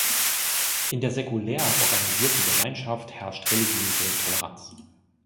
In der säkular organisierten Gemeinschaft herrscht religiöse Toleranz.